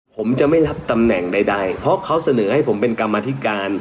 ผมจะไม่รับตำแหน่งใดเพราะเขาเสนอให้ผมเป็นกรรมธิการ